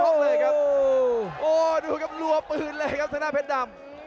โอ้โหดูครับลัวปืนเลยครับทางหน้าเพชรดำ